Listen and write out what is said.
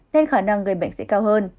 nên khả năng gây bệnh sẽ cao hơn